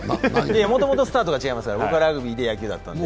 もともとスタートが違いますから僕はラグビーで野球だったんで。